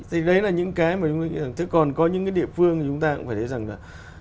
thế còn có những cái địa phương chúng ta cũng phải thấy rằng là